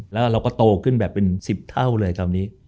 แล้วเราก็โตขึ้นแบบเป็น๑๐เท่าเลยตอนนี้